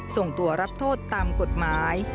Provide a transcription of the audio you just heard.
ส่งตัวรับโทษตามกฎหมาย